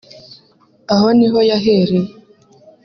Aho niho yahereye